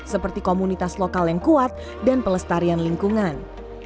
seperti komunitas lokal yang kuat dan pelestarian lingkungan